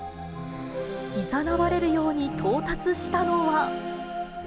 いざなわれるように到達したのは。